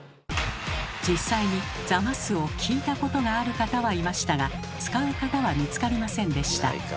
実際に「ザマス」を聞いたことがある方はいましたが使う方は見つかりませんでした。